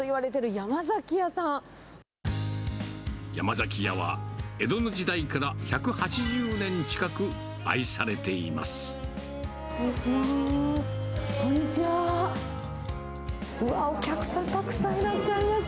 山崎屋は、江戸の時代から１８０年近く愛されています。